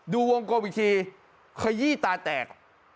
วงกลมอีกทีขยี้ตาแตก